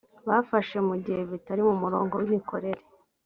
bafashe mu gihe bitari mu murongo w imikorere